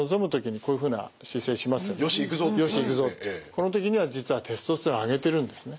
この時には実はテストステロンを上げてるんですね。